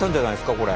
これ。